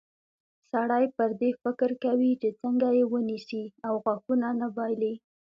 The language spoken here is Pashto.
سړی پر دې فکر کوي چې څنګه یې ونیسي او غاښونه نه بایلي.